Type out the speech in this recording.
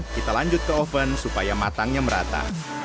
kita lanjut ke oven supaya matangnya merata